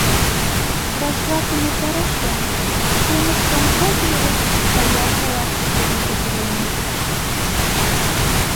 Рашрак умылтараш гын, шкеныштым кок вере паярка лапчык дене петыреныт.